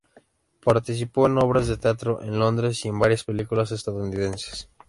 Participó en obras de teatro en Londres y en varias películas estadounidenses.